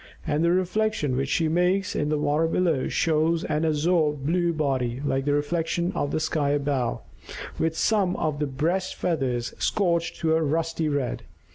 And the reflection which she makes in the water below shows an azure blue body, like a reflection of the sky above, with some of the breast feathers scorched to a rusty red.